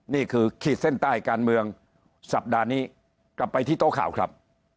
ขีดเส้นใต้การเมืองสัปดาห์นี้กลับไปที่โต๊ะข่าวครับ